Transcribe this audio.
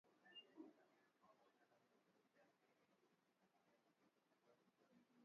Ugonjwa wa ndigana baridi husababisa ngombe wa maziwa kupunguza kasi ya kuzalisha maziwa